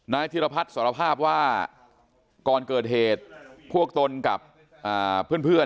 นายธิรพัฒน์สอรภาพว่าก่อนเกิดเหตุพวกตนกับอ่าเพื่อนเพื่อน